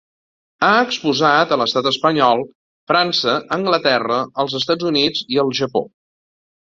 Ha exposat a l’Estat espanyol, França, Anglaterra, els Estats Units i el Japó.